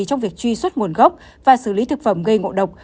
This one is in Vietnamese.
trong việc truy xuất nguồn gốc và xử lý thực phẩm gây ngộ độc